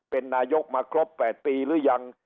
เป็นนายกมาครบ๘ปีหรือยัง